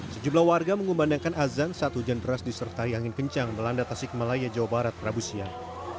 sejumlah warga mengumbandangkan azan saat hujan deras disertai angin kencang melanda tasik malaya jawa barat rabu siang